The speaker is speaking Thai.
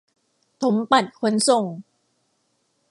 ถมปัดขนส่ง